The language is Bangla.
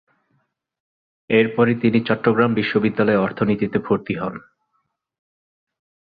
এর পরে তিনি চট্টগ্রাম বিশ্ববিদ্যালয়ে অর্থনীতিতে ভর্তি হন।